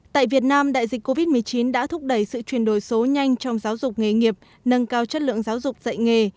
tại việt nam đại dịch covid một mươi chín đã thúc đẩy sự chuyển đổi số nhanh trong giáo dục nghề nghiệp nâng cao chất lượng giáo dục dạy nghề